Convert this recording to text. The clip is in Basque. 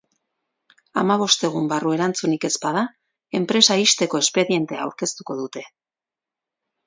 Hamabost egun barru erantzunik ez bada, enpresa ixteko espedientea aurkeztuko dute.